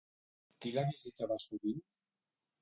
Qui la visitava sovint?